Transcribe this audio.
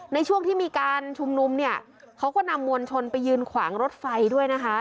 ในช่วงที่มีการชุมนุมเนี่ยเขาก็นำมวลชนไปยืนขวางรถไฟด้วยนะคะ